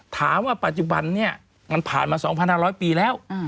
ถามว่าปัจจุบันนี้มันผ่านมา๒๕๐๐ปีแล้ว